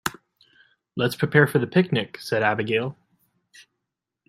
"Let's prepare for the picnic!", said Abigail.